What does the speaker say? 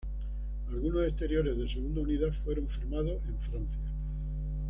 Algunos exteriores de segunda unidad fueron filmados en Francia.